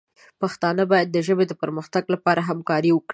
پښتانه باید د ژبې د پرمختګ لپاره همکاري وکړي.